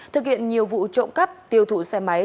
thực hiện nhiều vụ trộm cắp tiêu thụ xe máy